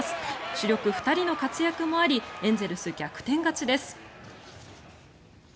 主力２人の活躍もありエンゼルス、逆転勝ちです。